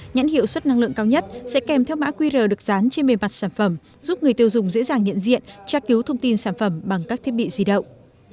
nhãn hiệu suất năng lượng cao nhất sẽ kèm theo mã qr được dán trên bề mặt sản phẩm giúp người tiêu dùng dễ dàng nhận diện tra cứu thông tin sản phẩm bằng các thiết bị di động